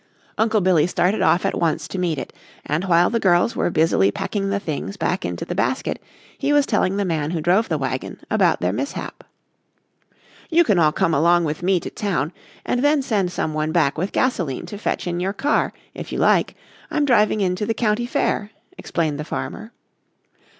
Uncle Billy started off at once to meet it and while the girls were busily packing the things back into the basket he was telling the man who drove the wagon about their mishap. "You can all come along with me to town and then send some one back with gasoline to fetch in your car, if you like. I'm driving in to the county fair," explained the farmer.